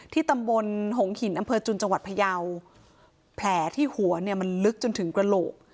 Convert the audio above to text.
ตำบลหงหินอำเภอจุนจังหวัดพยาวแผลที่หัวเนี่ยมันลึกจนถึงกระโหลก